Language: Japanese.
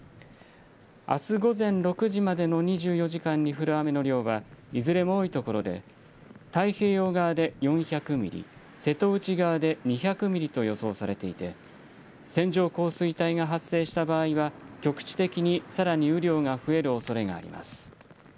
あす午前６時までの２４時間に降る雨の量は、いずれも多い所で、太平洋側で４００ミリ、瀬戸内側で２００ミリと予想されていて、線状降水帯が発生した場合は局地的にさらに雨量が増えるおそれがあります。